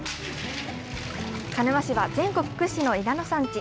鹿沼市は全国屈指のニラの産地。